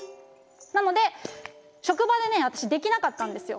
なので職場でね私できなかったんですよ。